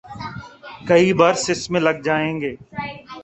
کئی برس اس میں لگ جائیں گے۔